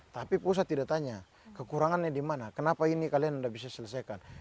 tapi pusat tidak tanya kekurangannya di mana kenapa ini kalian tidak bisa selesaikan